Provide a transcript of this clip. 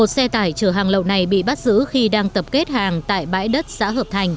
một xe tải chở hàng lậu này bị bắt giữ khi đang tập kết hàng tại bãi đất xã hợp thành